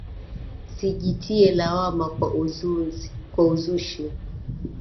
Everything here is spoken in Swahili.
Sijitie lawama kwa uzushi.